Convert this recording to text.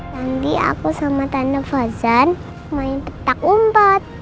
nanti aku sama tante fosun main petak umpet